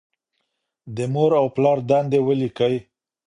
د مور او پلار دندې ولیکئ.